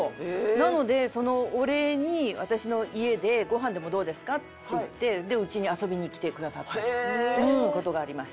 なのでそのお礼に「私の家でご飯でもどうですか？」って言ってうちに遊びに来てくださったという事があります。